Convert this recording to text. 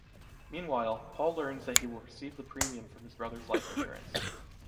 Meanwhile, Paul learns that he will receive the premium from his brother’s life insurance.